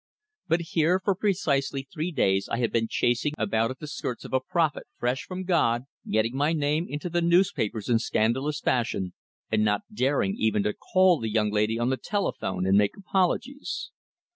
But here for precisely three days I had been chasing about at the skirts of a prophet fresh from God, getting my name into the newspapers in scandalous fashion, and not daring even to call the young lady on the telephone and make apologies.